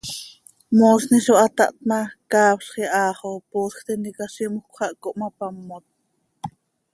Moosni zo hataht ma, caafzx iha xo poosj tintica zimjöc xah cohmapamot.